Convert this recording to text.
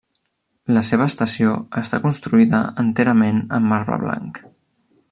La seva estació està construïda enterament en marbre blanc.